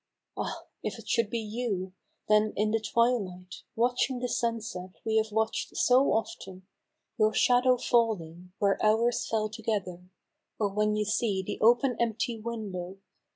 Ah ! if it should be you, then in the twilight, Watching the sunset we have watclVd so often, Your shadow falling where ours fell together. Or when you see the open empty window.